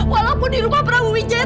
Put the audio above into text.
walaupun di rumah prabowo wijaya